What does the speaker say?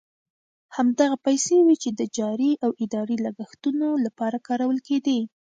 همدغه پیسې وې چې د جاري او اداري لګښتونو لپاره کارول کېدې.